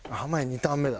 ２ターン目だ。